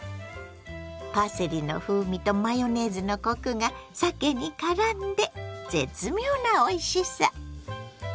パセリの風味とマヨネーズのコクがさけにからんで絶妙なおいしさ。